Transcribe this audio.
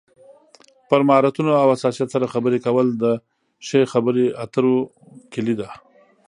پر مهارتونو او حساسیت سره خبرې کول د ښې خبرې اترو کلي ده.